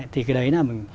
thì cái đấy là mình